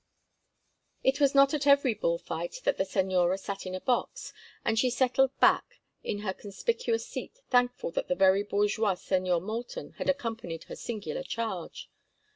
It was not at every bull fight that the señora sat in a box, and she settled back in her conspicuous seat thankful that the very bourgeois Señor Moulton had accompanied her singular charge.